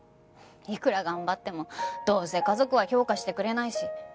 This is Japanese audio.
いくら頑張ってもどうせ家族は評価してくれないし。